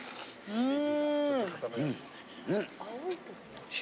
うん。